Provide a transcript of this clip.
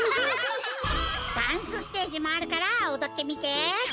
ダンスステージもあるからおどってみて！